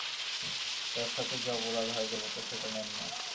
ব্যাবসাতে যে অপরাধ হয় দেবতা সেটা নেন না।